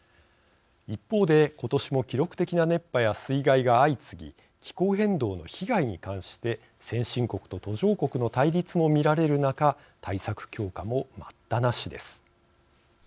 一方で、今年も記録的な熱波や水害が相次ぎ気候変動の被害に関して先進国と途上国の対立も見られる中対策強化も待ったなしです。